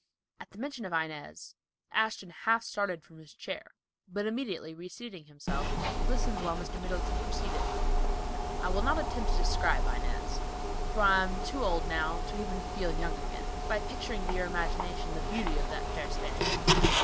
At the mention of Inez, Ashton half started from his chair, but immediately reseating himself, listened while Mr. Middleton proceeded: "I will not attempt to describe Inez, for I am too old now to even feel young again, by picturing to your imagination the beauty of that fair Spaniard.